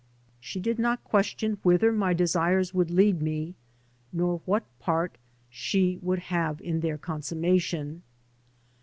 She did not question whither my desires would lead me, nor what part she would have in their consummation.